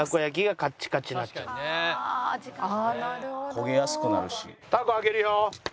焦げやすくなるし。